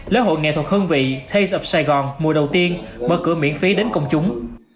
lễ hội nghệ thuật hương vị taste of saigon mùa đầu tiên mở cửa miễn phí đến công chúng